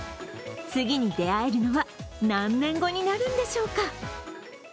次に出会えるのは何年後になるんでしょうか。